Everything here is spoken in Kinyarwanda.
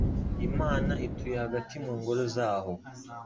Imana ituye hagati mu ngoro zaho